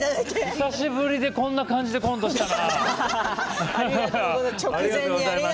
久しぶりにこんな感じでコントをしたかな。